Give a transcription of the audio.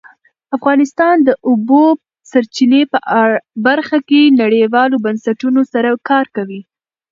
افغانستان د د اوبو سرچینې په برخه کې نړیوالو بنسټونو سره کار کوي.